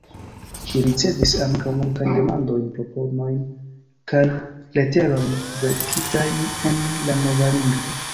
Li ricevis ankaŭ multajn demandojn, proponojn, kaj leterojn verkitajn en la nova lingvo.